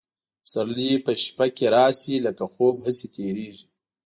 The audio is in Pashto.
پسرلي په شپه کي راسي لکه خوب هسي تیریږي